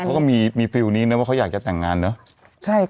มากก็ก็มีมีฟิลอีเนี่ยเนี่ยว่าเขาอยากจะแต่งงานเนี่ย